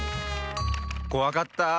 こわかったあ。